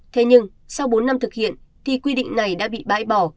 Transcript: thế nhưng sau bốn năm thực hiện thì quy định này đã bị bãi bỏ